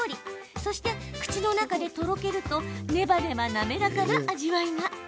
そして口の中でとろけるとネバネバ滑らかな味わいが。